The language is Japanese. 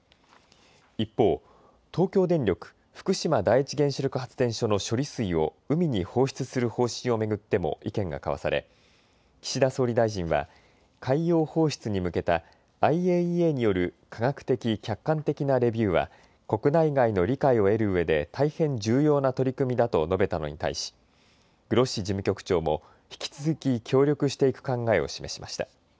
一方、東京電力福島第一原子力発電所の処理水を海に放出する方針を巡っても意見が交わされ岸田総理大臣は海洋放出に向けたＩＡＥＡによる科学的、客観的なレビューは国内外の理解を得るうえで大変重要な取り組みだと述べたのに対しグロッシ事務局長も引き続き協力していく考えを示しました。